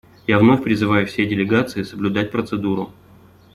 Я вновь призываю все делегации соблюдать процедуру.